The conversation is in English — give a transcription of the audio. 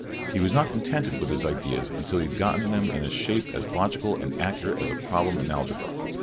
He was not contented with his ideas until he had got them in a shape as logical and accurate as a problem in algebra.